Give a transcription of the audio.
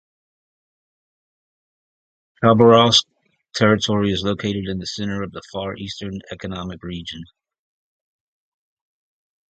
The Khabarovsk Territory is located in the center of the Far Eastern economic region.